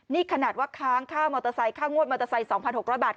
นี่ขนาดว่าค้างค่ามอเตอร์ไซค์ค่างวดมอเตอร์ไซค์๒๖๐๐บาท